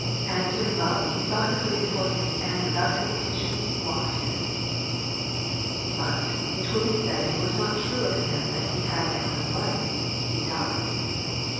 Answering love He saw His way before Him and without hesitation walked in it. But, it will be said it was not true of Him that He had endless life — He died.